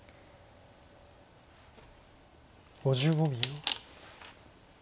５５秒。